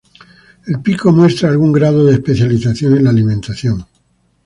El pico muestra algún grado de especialización en la alimentación.